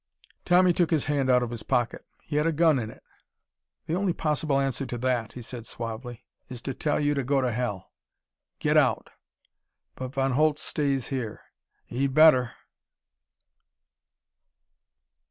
Tommy took his hand out of his pocket. He had a gun in it. "The only possible answer to that," he said suavely, "is to tell you to go to hell. Get out! But Von Holtz stays here. He'd better!"